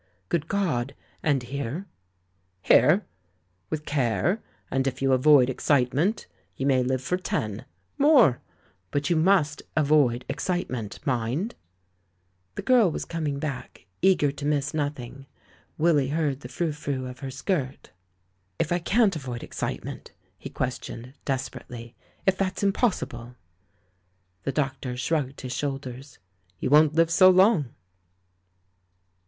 "Good God! And here?" "Here? With care, and if you avoid excite ment, you may live for ten. JMore! But you must avoid excitement, mind!" THE LAURELS AND THE LADY 149 The girl was coming back, eager to miss noth ing; Willy heard the frou frou of her skirt. *'If I can't avoid excitement," he questioned, desperately — "if that's impossible?" The doctor shrugged his shoulders. "you won't live so long."